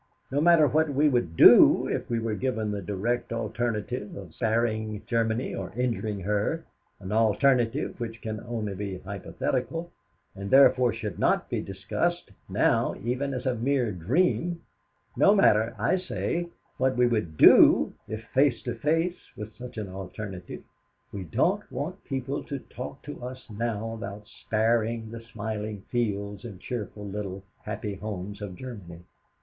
No matter what we would do if we were given the direct alternative of sparing Germany or injuring her an alternative which can only be hypothetical, and therefore should not be discussed now even as a 'mere dream' no matter, I say, what we would do if face to face with such an alternative, we don't want people to talk to us now about sparing the smiling fields and cheerful little happy homes of Germany!